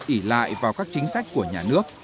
ỉ lại vào các chính sách của nhà nước